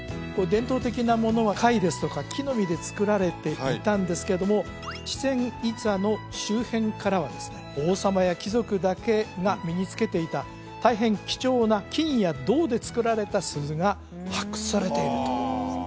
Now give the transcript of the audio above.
伝統的なものは貝ですとか木の実で作られていたんですけどもチチェン・イツァの周辺からはですね王様や貴族だけが身につけていた大変貴重な金や銅で作られた鈴が発掘されているということなんですね